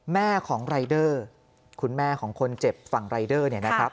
แม่ของรายเดอร์คุณแม่ของคนเจ็บฝั่งรายเดอร์เนี่ยนะครับ